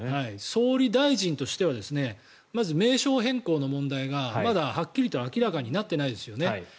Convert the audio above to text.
総理大臣としてはまず名称変更の問題がまだはっきりと明らかになってないですよね。